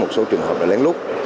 một số trường hợp đã lén lút